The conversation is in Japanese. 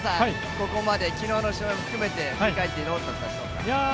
ここまで昨日の試合含めて振り返ってどうでしょうか。